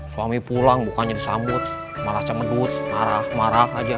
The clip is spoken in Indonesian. suami pulang bukannya disambut malah cemedut marah marah aja